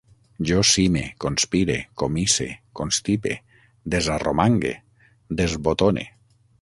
Jo cime, conspire, comisse, constipe, desarromangue, desbotone